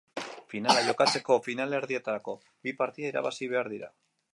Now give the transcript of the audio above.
Finala jokatzeko finalerdietako bi partida irabazi behar dira.